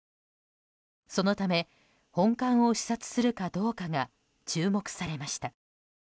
そのため本館を視察するかどうかが注目されました。